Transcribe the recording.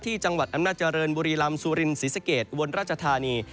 ที่จังหวัดอำนาจรรย์บุรีลำซุรินสีสะเกดวนราชธานี